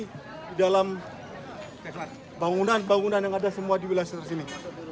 di dalam bangunan bangunan yang ada semua di wilayah sekitar sini